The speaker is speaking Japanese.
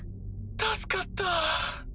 助かった。